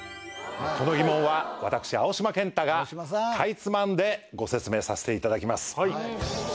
この疑問は私青島健太がかいつまんでご説明させていただきます